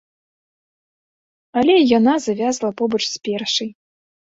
Але і яна завязла побач з першай.